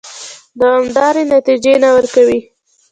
دوامدارې نتیجې نه ورکوي.